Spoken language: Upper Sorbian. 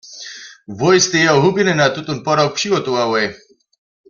Wój stej jeho hubjene na tutón podawk přihotowałoj.